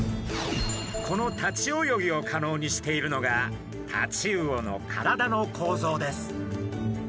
この立ち泳ぎを可能にしているのがタチウオの体の構造です。